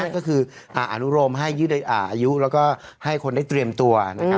ก็คืออนุโรมให้ยืดอายุแล้วก็ให้คนได้เตรียมตัวนะครับ